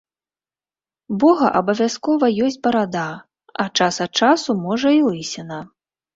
Бога абавязкова ёсць барада, а час ад часу, можа, і лысіна.